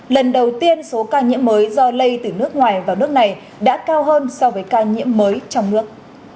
lần đầu tiên số ca nhiễm mới do lây từ nước ngoài vào nước này đã cao hơn so với ca nhiễm mới trong nước